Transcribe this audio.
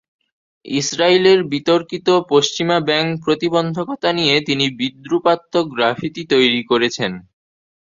ইসরাইলের বিতর্কিত পশ্চিমা ব্যাংক প্রতিবন্ধকতা নিয়ে তিনি বিদ্রুপাত্মক গ্রাফিতি তৈরি করেছেন।